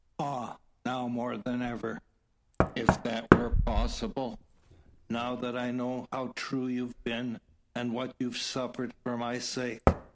Ah! now more than ever, if that were possible; now that I know how true you've been, and what you've suffered for my sake.